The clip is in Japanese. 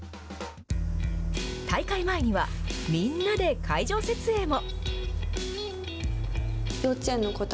大会前にはみんなで会場設営も。